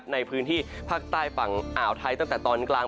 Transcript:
ในพื้นที่ภาคใต้ฝั่งอ่าวไทยตั้งแต่ตอนกลาง